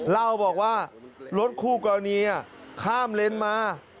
เล่าบอกว่ารถคู่กับอันนี้อ่ะข้ามเลนส์มา